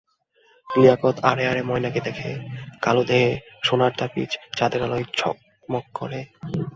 লিয়াকত আড়ে-আড়ে ময়নাকে দ্যাখে, কালো দেহে সোনার তাবিজ চাঁদের আলোয় ঝকমক করে।